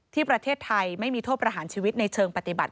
ที่ประเทศไทยไม่มีโทษประหารชีวิตในเชิงปฏิบัติ